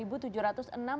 tidak ada yang menyebar